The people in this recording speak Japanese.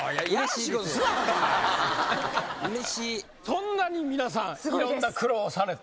そんなに皆さんいろんな苦労をされて。